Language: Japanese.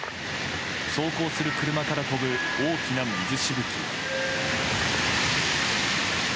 走行する車から飛ぶ大きな水しぶき。